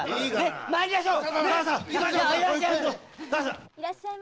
参りましょう！